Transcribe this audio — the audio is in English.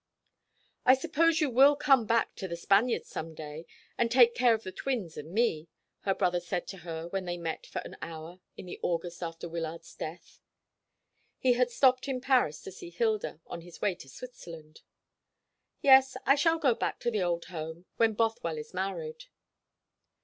"I suppose you will come back to The Spaniards some day, and take care of the twins and me," her brother said to her when they met for an hour in the August after Wyllard's death. He had stopped in Paris to see Hilda, on his way to Switzerland. "Yes, I shall go back to the old home when Bothwell is married."